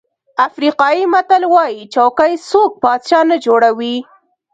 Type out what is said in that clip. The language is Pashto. افریقایي متل وایي چوکۍ څوک پاچا نه جوړوي.